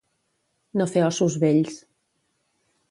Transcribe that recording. No fer ossos vells.